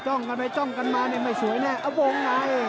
จ้องกันไปจ้องกันมาไม่สวยแน่อ้าววงไง